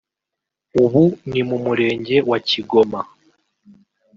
ubu ni mu Murenge wa Kigoma